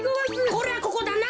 こりゃここだな。